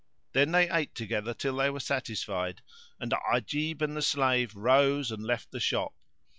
Then they ate together till they were satisfied; and Ajib and the slave rose and left the shop.